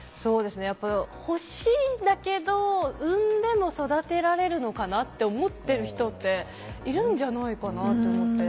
やっぱり欲しいんだけど産んでも育てられるのかなって思ってる人っているんじゃないかなって思って。